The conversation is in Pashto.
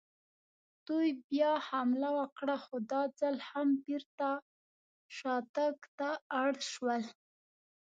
دوی بیا حمله وکړه، خو دا ځل هم بېرته شاتګ ته اړ شول.